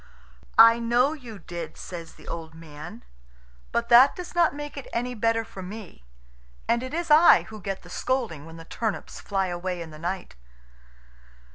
"I know you did," says the old man; "but that does not make it any better for me. And it is I who get the scolding when the turnips fly away in the night."